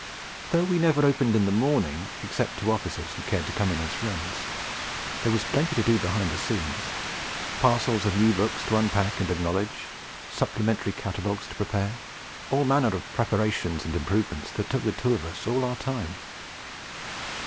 Though we never opened in the morning, except to officers who cared to come in as friends, there was plenty to do behind the scenes parcels of new books to unpack and acknowledge, supplementary catalogues to prepare all manner of preparations and improvements that took the two of us all our time.